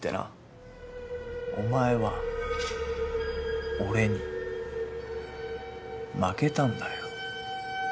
お前は俺に負けたんだよ。